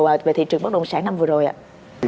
và về thị trường bất động sản năm vừa rồi ạ